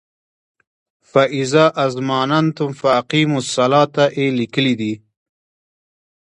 "فاذا اظماننتم فاقیموالصلواته" یې لیکلی دی.